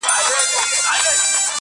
توره به یم خو د مکتب توره تخته یمه زه،